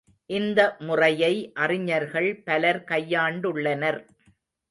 இந்த முறையை அறிஞர்கள் பலர் கையாண்டுள்ளனர்.